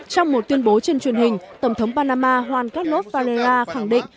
trong một tuyên bố trên truyền hình tổng thống panama juan carlos valera khẳng định